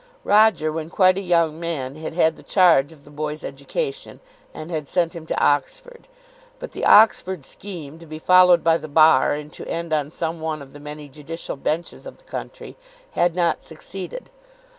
Roger, when quite a young man, had had the charge of the boy's education, and had sent him to Oxford. But the Oxford scheme, to be followed by the bar, and to end on some one of the many judicial benches of the country, had not succeeded.